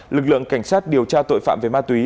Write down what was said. lực lượng cảnh sát điều tra tội phạm về ma túy